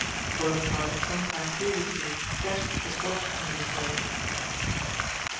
Bonaparte had some time previously pledged his watch in this way.